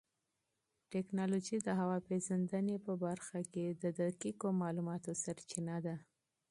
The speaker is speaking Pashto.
ټیکنالوژي د هوا پېژندنې په برخه کې د دقیقو معلوماتو سرچینه ده.